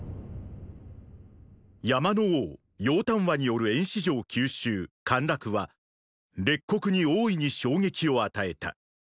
山の王楊端和による衍氏城急襲・陥落は列国に大いに衝撃を与えた。